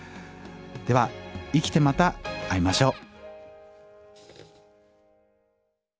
では生きてまた会いましょう。